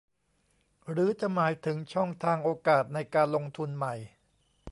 หรือจะหมายถึงช่องทางโอกาสในการลงทุนใหม่